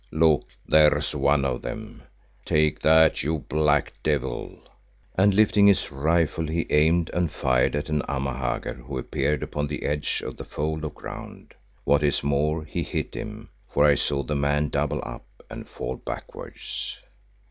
Look, there's one of them. Take that, you black devil!" and lifting his rifle he aimed and fired at an Amahagger who appeared upon the edge of the fold of ground. What is more he hit him, for I saw the man double up and fall backwards.